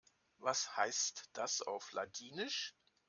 Was heißt das auf Ladinisch?